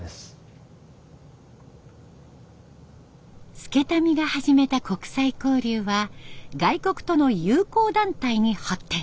祐民が始めた国際交流は外国との友好団体に発展。